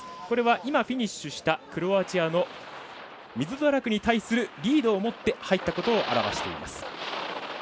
これは今フィニッシュしたクロアチアのミズドラクに対するリードを持って入ったことを表しています。